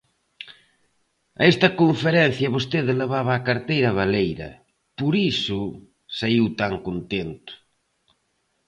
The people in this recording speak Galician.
A esta conferencia vostede levaba a carteira baleira, por iso saíu tan contento.